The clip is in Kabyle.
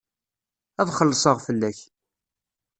Ad xellṣeɣ fell-ak.